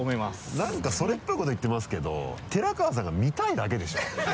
なんかそれっぽいこと言ってますけど寺川さんが見たいだけでしょ？